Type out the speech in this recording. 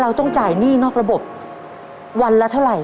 ต้องจ่ายหนี้นอกระบบวันละเท่าไหร่